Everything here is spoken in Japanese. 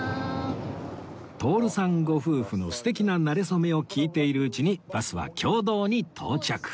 徹さんご夫婦の素敵ななれ初めを聞いているうちにバスは経堂に到着